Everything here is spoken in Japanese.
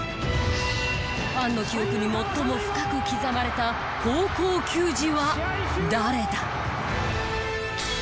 ファンの記憶に最も深く刻まれた高校球児は誰だ？